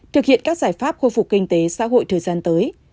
thực hiện các giải pháp khôi phục kinh tế xã hội thời gian tới